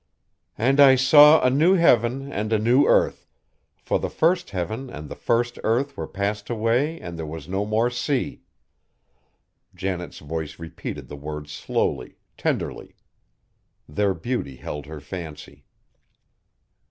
"'And I saw a new heaven, and a new earth: for the first heaven and the first earth were passed away and there was no more sea.'" Janet's voice repeated the words slowly, tenderly. Their beauty held her fancy.